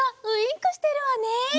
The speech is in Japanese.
ウインクしてるわねえ！